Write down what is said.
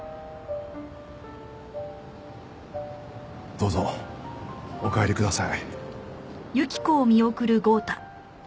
どうぞお帰りください。